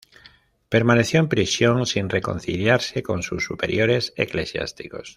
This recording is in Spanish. Permaneció en prisión sin reconciliarse con sus superiores eclesiásticos.